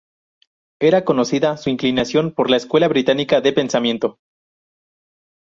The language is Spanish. Era conocida su inclinación por la escuela británica de pensamiento.